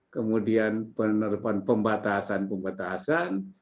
kemudian penerbangan pembatasan pembatasan